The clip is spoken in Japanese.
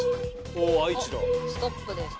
おっストップです。